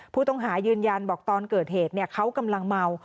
ผู้ต้องหายืนยันบอกตอนเกิดเหตุเขากำลังเมา